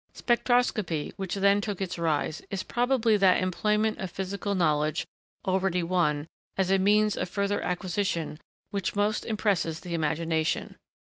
Spectroscopy, which then took its rise, is probably that employment of physical knowledge, already won, as a means of further acquisition, which most impresses the imagination.